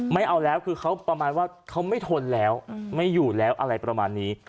ไม่เอาแล้วคือเขาประมาณว่าเขาไม่ทนแล้วไม่อยู่แล้วอะไรประมาณนี้